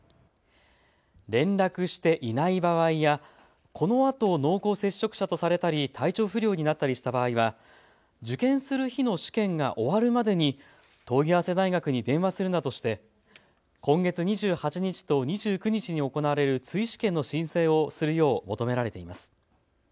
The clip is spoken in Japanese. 連絡していない場合や、このあと濃厚接触者とされたり体調不良になったりした場合は受験する日の試験が終わるまでに問い合わせ大学に電話するなどして今月２８日と２９日に行われる追試験の申請をするよう求められています。